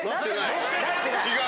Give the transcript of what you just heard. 違う？